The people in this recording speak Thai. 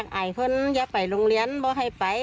คิดว่า